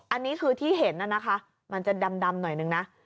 อันนี้คือที่เห็นน่ะนะคะมันจะดำหน่อยนึงนะ